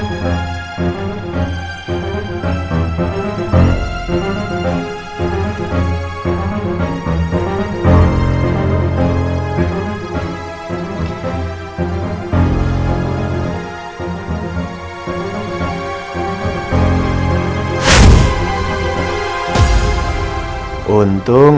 saya harus selalu semua tahun